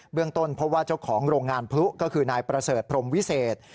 เรื่องต้นเพราะว่าเจ้าของโรงงานพลุก็คือนายประเสริฐพรมวิเศษ